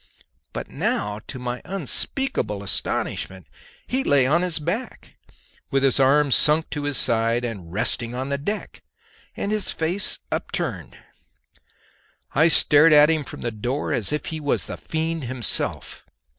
But now, to my unspeakable astonishment, he lay on his back, with his arms sunk to his side and resting on the deck, and his face upturned. I stared at him from the door as if he was the Fiend himself.